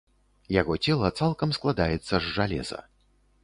Яго цела цалкам складаецца з жалеза.